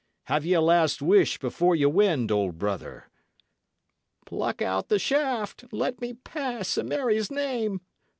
"Have ye a last wish before ye wend, old brother?" "Pluck out the shaft, and let me pass, a' Mary's name!"